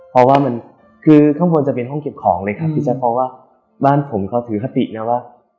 เพราะว่ามันคือข้างบนจะเป็นห้องเก็บของเลยครับพี่แจ๊คเพราะว่าบ้านผมเขาถือคตินะว่า